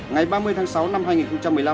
ngày ba mươi tháng sáu năm hai nghìn một mươi năm